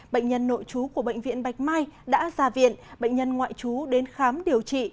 bệnh nhân nội chú của bệnh viện bạch mai đã ra viện bệnh nhân ngoại chú đến khám điều trị